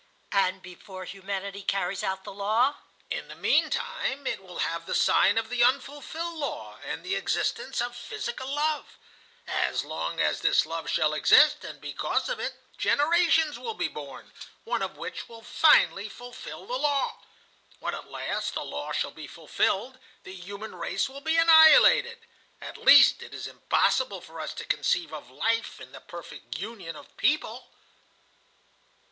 "And before Humanity carries out the law?" "In the meantime it will have the sign of the unfulfilled law, and the existence of physical love. As long as this love shall exist, and because of it, generations will be born, one of which will finally fulfil the law. When at last the law shall be fulfilled, the Human Race will be annihilated. At least it is impossible for us to conceive of Life in the perfect union of people."